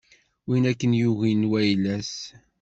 Win akken yugi wayla-s.